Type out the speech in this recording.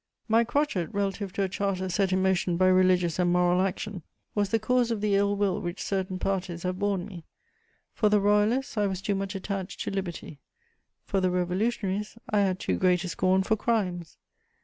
My crotchet, relative to a Charter set in motion by religious and moral action, was the cause of the ill will which certain parties have borne me: for the Royalists, I was too much attached to liberty; for the Revolutionaries, I had too great a scorn for crimes.